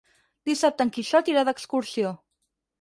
Dissabte en Quixot irà d'excursió.